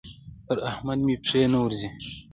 پر احمد مې پښې نه ورځي.